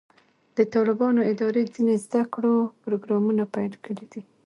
د طالبانو ادارې ځینې زده کړو پروګرامونه پیل کړي دي.